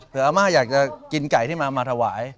เพื่ออาม่าอยากจะกินไก่ที่มาถวาย